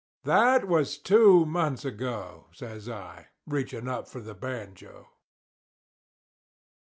"That was two months ago," says I, reaching up for the banjo.